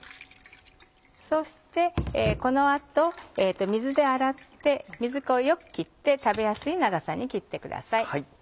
そしてこの後水で洗って水気をよく切って食べやすい長さに切ってください。